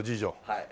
はい。